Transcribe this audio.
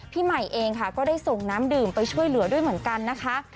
พี่ใหม่เองค่ะก็ได้ส่งน้ำดื่มไปช่วยเหลือด้วยเหมือนกันนะคะ